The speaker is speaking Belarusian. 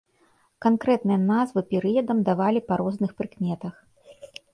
Канкрэтныя назвы перыядам давалі па розных прыкметах.